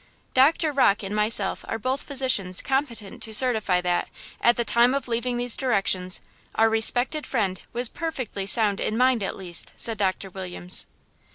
"Doctor Rocke and myself are both physicians competent to certify that, at the time of leaving these directions, our respected friend was perfectly sound in mind at least," said Doctor Williams.